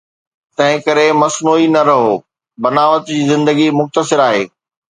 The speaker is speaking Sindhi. تنهنڪري مصنوعي نه رهو، بناوت جي زندگي مختصر آهي.